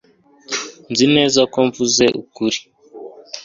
nzi neza ko mvuze ukuri